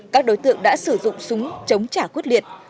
các đối tượng đã sử dụng súng chống trả quyết liệt